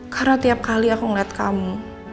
karena tiap kali aku ngeliat kamu